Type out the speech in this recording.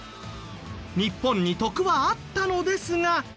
日本に得はあったのですが。